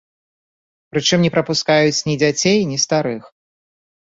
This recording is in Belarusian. Прычым не прапускаюць ні дзяцей, ні старых.